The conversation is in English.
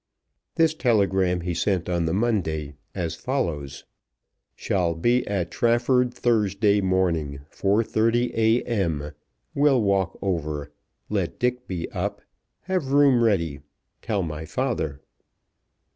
This telegram he sent on the Monday, as follows; "Shall be at Trafford Thursday morning, 4.30 A.M. Will walk over. Let Dick be up. Have room ready. Tell my father."